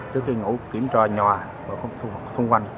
trước khi ngủ kiểm tra nhà ở khu vực xung quanh